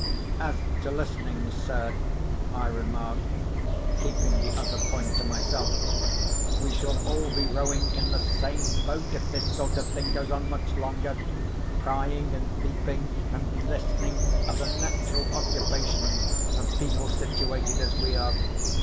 "As to listening, sir," I remarked (keeping the other point to myself), "we shall all be rowing in the same boat if this sort of thing goes on much longer. Prying, and peeping, and listening are the natural occupations of people situated as we are.